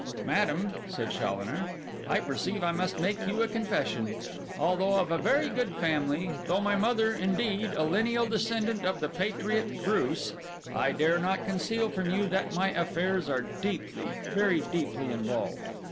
'Madam,' said Challoner, 'I perceive I must make you a confession. Although of a very good family—through my mother, indeed, a lineal descendant of the patriot Bruce—I dare not conceal from you that my affairs are deeply, very deeply involved.